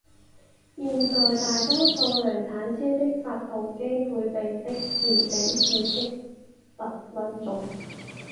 现在大多数量产车的发动机配备的是顶置式凸轮轴。